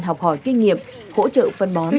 học hỏi kinh nghiệm hỗ trợ phân bón